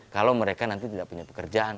kalau mereka nanti tidak punya pekerjaan